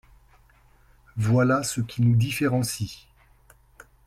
Voilà ce qui nous différencie.